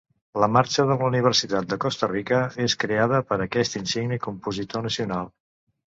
La Marxa de la Universitat de Costa Rica és creada per aquest insigne compositor nacional.